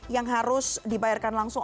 yang harus dibayarkan langsung